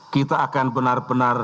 kita akan benar benar